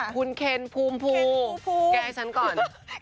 คุณเคนภูมิภูมิแกให้ฉันก่อนคุณเคนภูมิภูมิ